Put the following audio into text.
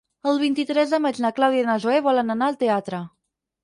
El vint-i-tres de maig na Clàudia i na Zoè volen anar al teatre.